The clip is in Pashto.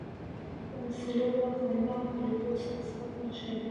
صلبیه، قرنیه او د لیدلو عصب مشاهده کړئ.